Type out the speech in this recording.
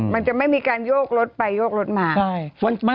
มันจะไม่มีการโยกรถไปโยกรถมา